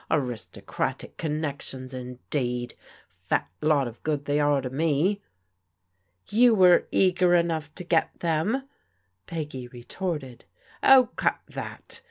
Aristocratic connections, indeed I Fat lot of good they are to me." " You were eager enough to get them," Peggy retorted. " Oh, cut that